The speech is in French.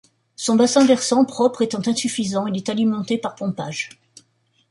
Son bassin versant propre étant insuffisant, il est alimenté par pompage.